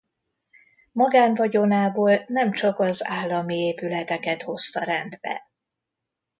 Magánvagyonából nemcsak az állami épületeket hozta rendbe.